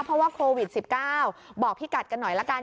เพราะว่าโควิด๑๙บอกพี่กัดกันหน่อยละกัน